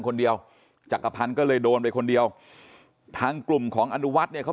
คนเดียวจักรพันธ์ก็เลยโดนไปคนเดียวทางกลุ่มของอนุวัฒน์เนี่ยเขา